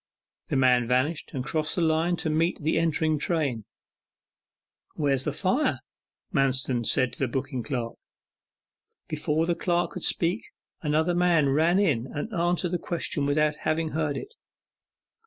The man vanished and crossed the line to meet the entering train. 'Where is that fire?' Manston said to the booking clerk. Before the clerk could speak, another man ran in and answered the question without having heard it.